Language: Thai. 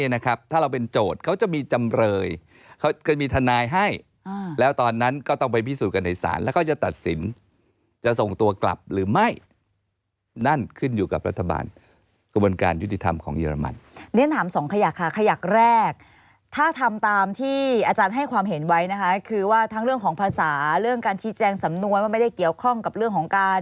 นานไหมผมว่านาน